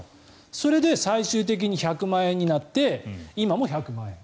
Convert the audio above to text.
それで、最終的に１００万円になって今も１００万円。